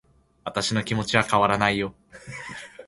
私の気持ちは変わらないよ